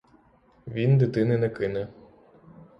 Він дитини не кине.